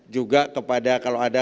juga kepada kalau ada